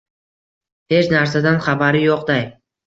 Hech narsadan xabari yo‘qday